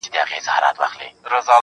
د ټپې په اله زار کي يې ويده کړم_